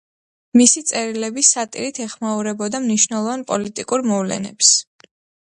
მისი წერილები სატირით ეხმაურებოდა მნიშვნელოვან პოლიტიკურ მოვლენებს.